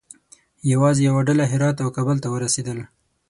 یوازې یوه ډله هرات او کابل ته ورسېدل.